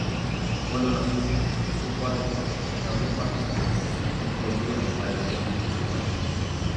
Cuando nació, su padre, Ramón Vázquez Fernández, lo envolvió en el pabellón uruguayo.